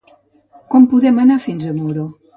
Com podem anar fins a Muro?